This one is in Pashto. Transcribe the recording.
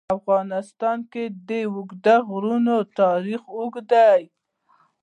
په افغانستان کې د اوږده غرونه تاریخ اوږد دی.